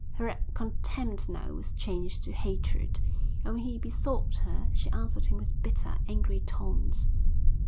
Her contempt now was changed to hatred and when he besought her she answered him with bitter, angry taunts.